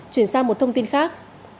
chuyển sang một thông tin khác